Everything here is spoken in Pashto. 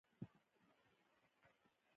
دوی کولی شول پوروړی د غلام په توګه وپلوري.